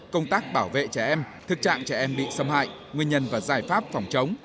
công tác bảo vệ trẻ em thực trạng trẻ em bị xâm hại nguyên nhân và giải pháp phòng chống